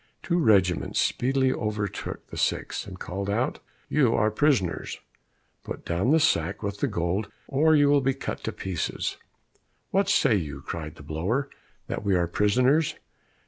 Two regiments speedily overtook the six, and called out, "You are prisoners, put down the sack with the gold, or you will all be cut to pieces!" "What say you?" cried the blower, "that we are prisoners!